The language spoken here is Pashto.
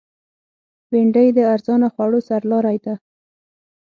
بېنډۍ د ارزانه خوړو سرلاری ده